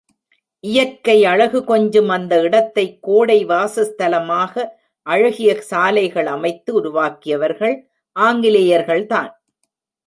இயற்கை அழகு கொஞ்சும் அந்த இடத்தை கோடை வாசஸ்தலமாக அழகிய சாலைகள் அமைத்து உருவாக்கியவர்கள் ஆங்கிலேயர்கள் தான்.